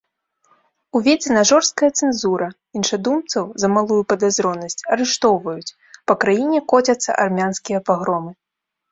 Уведзена жорсткая цэнзура, іншадумцаў за малую падазронасць арыштоўваюць, па краіне коцяцца армянскія пагромы.